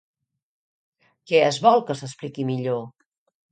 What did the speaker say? Què es vol que s'expliqui millor?